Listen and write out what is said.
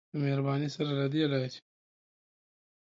په مهربانی سره له دی لاری.